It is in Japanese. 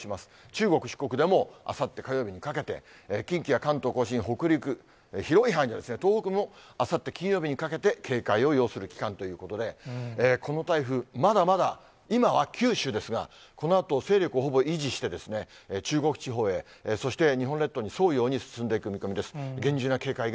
中国、四国でもあさって火曜日にかけて、近畿や関東甲信、北陸、広い範囲で東北もあさって金曜日にかけて、警戒を要する期間ということで、この台風、まだまだ、今は九州ですが、このあと、勢力をほぼ維持して、中国地方へ、そして日本列島に沿うように進んでいく見込みです。